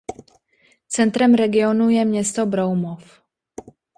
Centrem regionu je město Broumov.